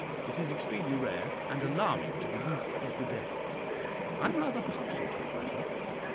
It is extremely rare, and alarming to the youth of the day. I am rather partial to it myself.